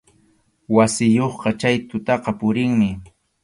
Wasiyuqqa chay tutaqa purinmi.